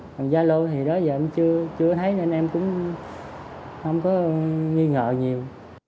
còn zalo thì đó giờ em chưa thấy nên em cũng không có nghi ngờ nhiều